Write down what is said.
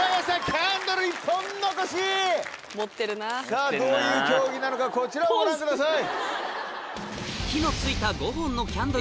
さぁどういう競技なのかこちらをご覧ください。